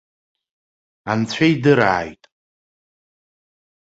Анцәа идырааит.